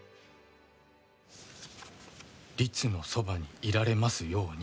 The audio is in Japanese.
「リツのそばにいられますように」。